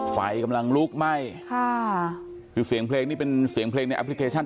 ไฟกำลังลุกไหม้ค่ะคือเสียงเพลงนี่เป็นเสียงเพลงในแอปพลิเคชัน